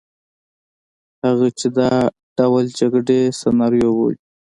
هغه چې دا ډول جګړې سناریو بولي.